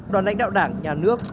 đoàn lãnh đạo đảng nhà nước